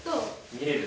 見れる。